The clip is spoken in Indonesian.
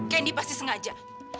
candy pasti sengaja